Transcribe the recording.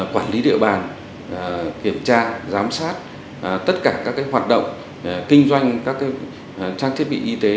quản lý địa bàn kiểm tra giám sát tất cả các hoạt động kinh doanh các trang thiết bị y tế